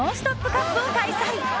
カップを開催！